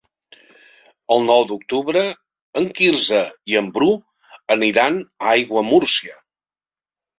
El nou d'octubre en Quirze i en Bru aniran a Aiguamúrcia.